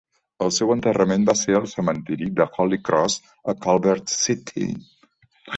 El seu enterrament va ser al cementiri de Holy Cross, a Culver City.